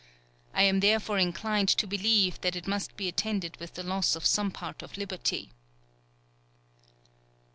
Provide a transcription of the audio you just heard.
I am therefore inclined to believe that it must be attended with the loss of some part of liberty."